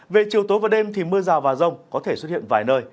về chiều tối và đêm thì mưa rào và rông có thể xuất hiện vài nơi